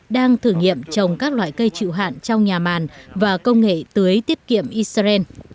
đang thử nghiệm trồng các loại cây chịu hạn trong nhà màn và công nghệ tưới tiết kiệm israel